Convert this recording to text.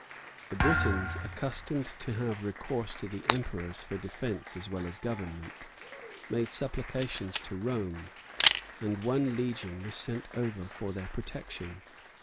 The Britons, accustomed to have recourse to the emperors for defence as well as government, made supplications to Rome: and one legion was sent over for their protection.